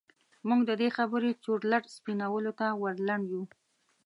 موږ د دې خبرې چورلټ سپينولو ته ور لنډ يوو.